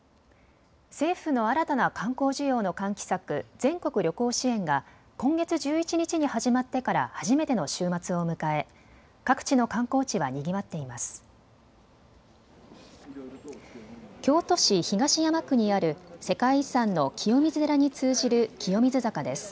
政府の新たな観光需要の喚起策、全国旅行支援が今月１１日に始まってから初めての週末を迎え、各地の観光地はにぎわっています。